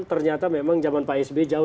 ternyata memang zaman pak sb jauh